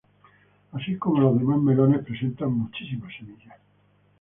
Así como los demás melones presenta muchísimas semillas.